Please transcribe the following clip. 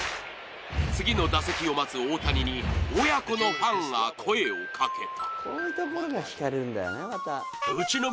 次の打席を待つ大谷に、親子のファンが声をかけた。